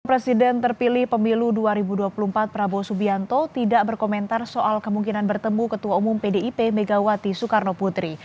presiden terpilih pemilu dua ribu dua puluh empat prabowo subianto tidak berkomentar soal kemungkinan bertemu ketua umum pdip megawati soekarno putri